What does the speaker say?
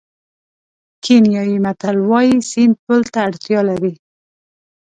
کینیايي متل وایي سیند پل ته اړتیا لري.